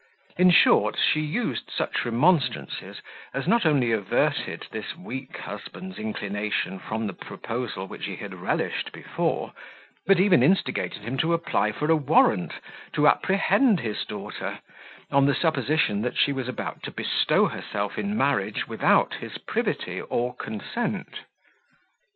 In short, she used such remonstrances, as not only averted this weak husband's inclination from the proposal which he had relished before, but even instigated him to apply for a warrant to apprehend his daughter, on the supposition that she was about to bestow herself in marriage without his privity or consent.